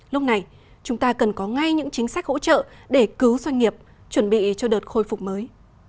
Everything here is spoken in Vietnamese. lúc này chúng ta cần có ngay những chính sách hỗ trợ để cứu doanh nghiệp chuẩn bị cho đợt khôi phục mới